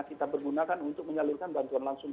kita bergunakan untuk menyalurkan bantuan langsung